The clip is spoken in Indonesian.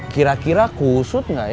kira kira kusut nggak ya